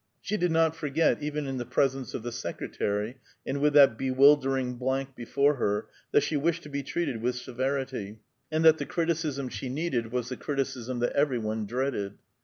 She did not forget, even in the presence of the secretary, and with that bewildering blank before her, that she wished to be treated with severity, and that the criticism she needed was the criticism that every one dreaded.